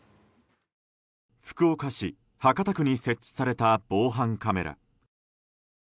福岡市博多区に設置された防犯カメラ。